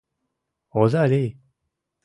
— Оза лий!